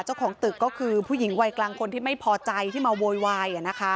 เจ้าของตึกก็คือผู้หญิงวัยกลางคนที่ไม่พอใจที่มาโวยวาย